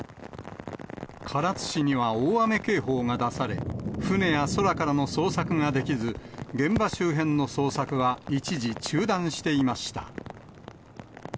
唐津市には大雨警報が出され、船や空からの捜索ができず、現場周辺の捜索は一時中断していました。